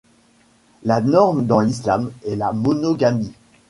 La norme dans l'islam est la monogamie.